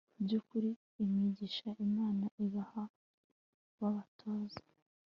byukuri imigisha Imana ibaha babatoza